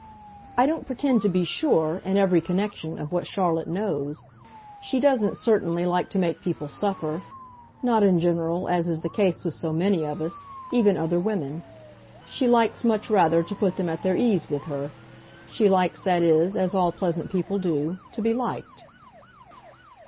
"I don't pretend to be sure, in every connection, of what Charlotte knows. She doesn't, certainly, like to make people suffer not, in general, as is the case with so many of us, even other women: she likes much rather to put them at their ease with her. She likes, that is as all pleasant people do to be liked."